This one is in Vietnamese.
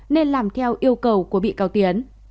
nên làm theo yêu cầu của bị cáo tiến